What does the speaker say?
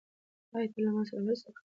آیا ته له ما سره مرسته کولی شې؟